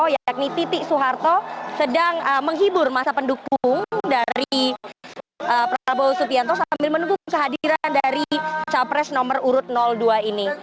yakni titik soeharto sedang menghibur masa pendukung dari prabowo subianto sambil menunggu kehadiran dari capres nomor urut dua ini